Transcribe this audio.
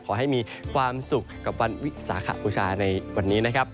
ขอให้มีความสุขกับวันวิสาขบูชาในวันนี้นะครับ